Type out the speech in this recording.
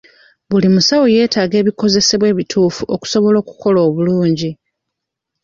Buli musawo yeetaaga ebikozesebwa ebituufu okusobola okukola obulungi.